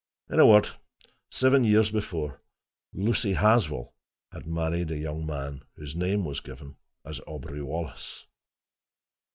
In a word, seven years before, Lucy Haswell had married a young man whose name was given as Aubrey Wallace.